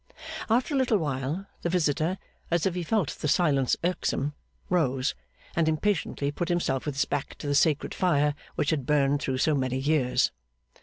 After a little, the visitor, as if he felt the silence irksome, rose, and impatiently put himself with his back to the sacred fire which had burned through so many years.